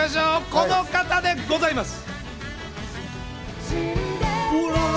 この方でございます。